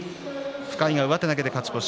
深井が上手投げで勝ち越し。